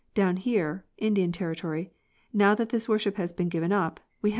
Down here [Indian territory], now that this worship has been given up, we have them."